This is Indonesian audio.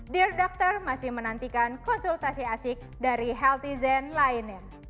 dear doctor masih menantikan konsultasi asik dari healthyzen lainnya